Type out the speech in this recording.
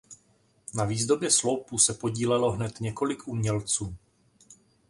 Na výzdobě sloupu se podílelo hned několik umělců.